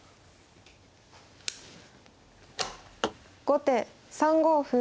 後手３五歩。